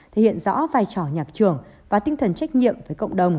thể hiện rõ vai trò nhạc trưởng và tinh thần trách nhiệm với cộng đồng